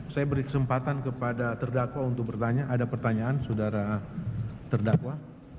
saya beri kesempatan kepada terdakwa untuk bertanya ada pertanyaan saudara terdakwa